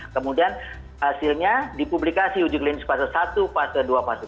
hasilnya dipublikasi uji klinik fase satu fase dua fase tiga